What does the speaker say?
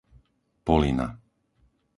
Polina